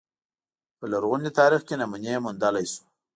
په لرغوني تاریخ کې نمونې موندلای شو